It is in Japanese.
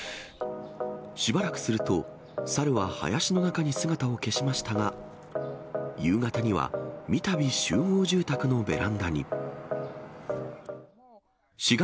しばらくすると、サルは林の中に姿を消しましたが、夕方にはみたび集合住宅のベランダに。